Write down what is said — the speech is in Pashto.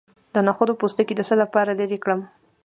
د نخود پوستکی د څه لپاره لرې کړم؟